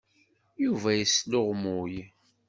Yuba yesluɣmuy.